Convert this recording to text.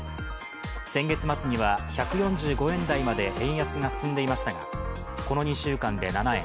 先月末には１４５円台まで円安が進んでいましたがこの２週間で７円